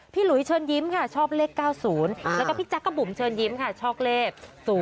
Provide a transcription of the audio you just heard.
หลุยเชิญยิ้มค่ะชอบเลข๙๐แล้วก็พี่แจ๊กกะบุ๋มเชิญยิ้มค่ะชอบเลข๐๘